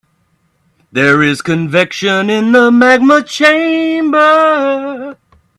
There is convection in the magma chamber.